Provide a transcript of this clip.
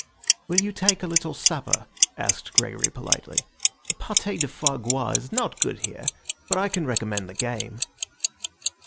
"Will you take a little supper?" asked Gregory politely. "The pâté de foie gras is not good here, but I can recommend the game."